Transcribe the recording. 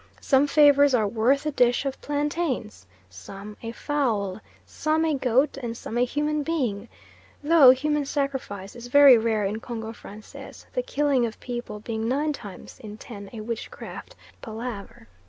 Some favours are worth a dish of plantains, some a fowl, some a goat and some a human being, though human sacrifice is very rare in Congo Francais, the killing of people being nine times in ten a witchcraft palaver.